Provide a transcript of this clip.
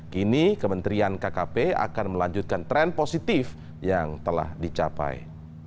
kini kementerian kkp akan melanjutkan tren positif yang telah dicapai